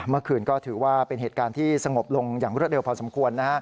เมื่อคืนก็ถือว่าเป็นเหตุการณ์ที่สงบลงอย่างรวดเร็วพอสมควร